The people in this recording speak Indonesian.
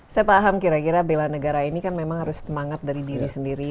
saya paham kira kira bela negara ini kan memang harus semangat dari diri sendiri